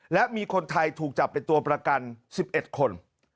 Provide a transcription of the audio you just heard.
และมีคนไทยถูกจับเป็นตัวประกัน๑๑คน